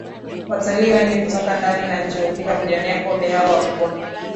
Watalii wengi kutoka ndani na nje hufika kujionea Kobe hao wakubwa